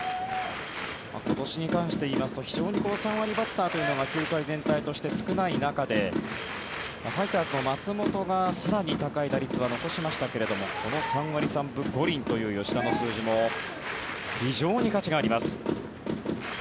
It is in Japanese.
今年に関して言いますと３割バッターというのが球界全体として少ない中でファイターズの松本が更に高い打率は残しましたがこの３割３分５厘という吉田の数字も非常に価値があります。